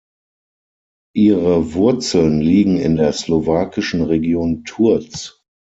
Ihre Wurzeln liegen in der slowakischen Region Turz.